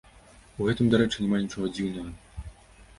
У гэтым, дарэчы, няма нічога дзіўнага.